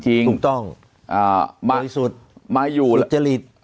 ถูกต้องโดยสุดสุดเจรียด